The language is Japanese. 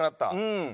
うん。